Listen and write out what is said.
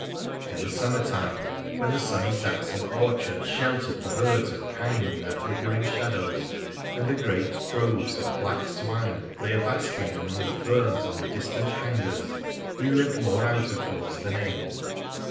In the summer time, when the sunny Saxon orchards sheltered the herds of kine in their flickering shadows, and the great droves of black swine lay a basking among the ferns on the distant hangers, we l'.ved more out of doors than in.